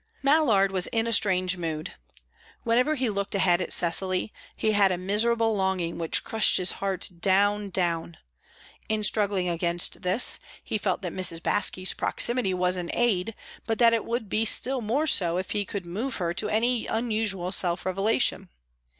Mallard was in a strange mood. Whenever he looked ahead at Cecily, he had a miserable longing which crushed his heart down, down; in struggling against this, he felt that Mrs. Baske's proximity was an aid, but that it would be still more so if he could move her to any unusual self revelation.